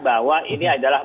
bahwa ini adalah